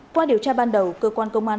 qua điều tra ban đầu cơ quan công an